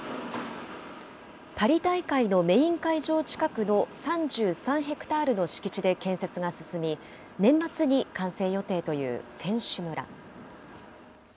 パリ大会のメイン会場近くの３３ヘクタールの敷地で建設が進み、年末に完成予定という選手村。